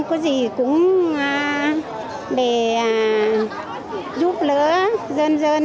có gì cũng để giúp lỡ dân dân